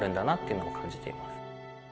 いうのを感じています。